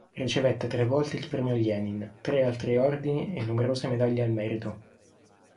Ricevette tre volte il Premio Lenin, tre altri ordini e numerose medaglie al merito.